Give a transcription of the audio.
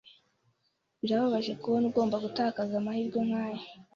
Birababaje kubona ugomba gutakaza amahirwe nkaya.